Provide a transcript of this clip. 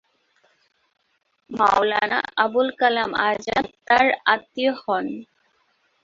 মাওলানা আবুল কালাম আজাদ তার আত্মীয় হন।